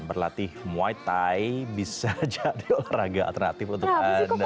berlatih muay thai bisa jadi olahraga alternatif untuk anda